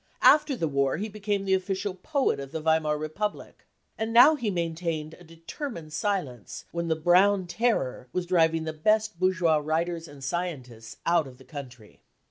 After the war he became the official poet of the Weimar Republic. And now he maintained a i determined silence when the Brown terror was driving the best bourgeois writers and scientists out of the country.